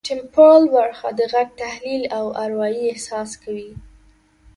ټمپورل برخه د غږ تحلیل او اروايي احساس کوي